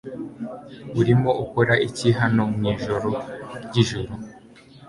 Urimo ukora iki hano mwijoro ryijoro